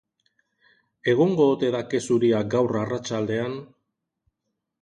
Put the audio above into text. Egongo ote da ke zuria gaur arratsaldean?